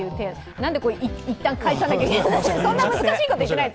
なんでいったん返さないといけないの？